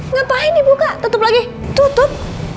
ngapain dibuka tutup lagi tutup